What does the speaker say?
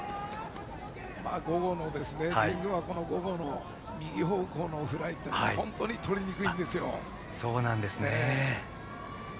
神宮は午後の右方向のフライは本当にとりにくいんですよ。